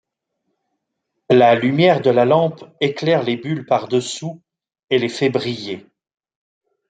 La lumière de la lampe éclaire les bulles par-dessous et les fait briller.